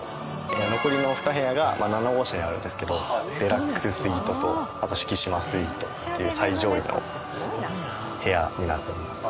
残りの２部屋が７号車にあるんですけどデラックススイートとあと四季島スイートっていう最上位の部屋になっております。